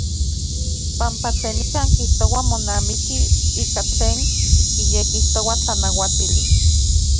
Panpa tlen nikan kijtoa monamiki ika tlen kiyekijtoa tlanauatili.